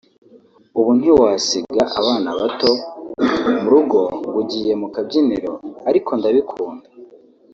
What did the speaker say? ubu ntiwasiga abana bato mu rugo ngo ugiye mu kabyiniro ariko ndabikunda